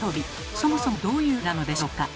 そもそもどういう競技なのでしょうか？